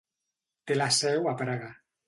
Té la seu a Praga.